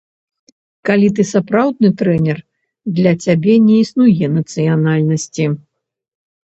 Калі ты сапраўдны трэнер, для цябе не існуе нацыянальнасці.